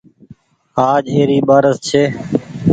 آج اي ري ٻآرس ڇي۔